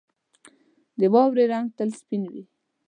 • د واورې رنګ تل سپین وي.